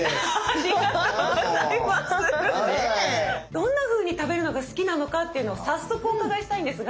どんなふうに食べるのが好きなのかっていうのを早速お伺いしたいんですが。